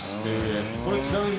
これちなみに。